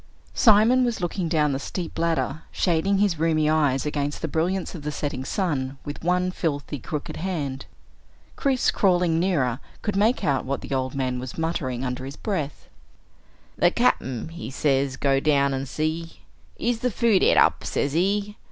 Simon was looking down the steep ladder, shading his rheumy eyes against the brilliance of the setting sun with one filthy, crooked hand. Chris, crawling nearer, could make out what the old man was muttering under his breath. "The Cap'n, he say go down an' see, is the food et up, sez he.